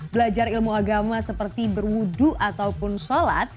belajar ilmu agama seperti berwudu ataupun sholat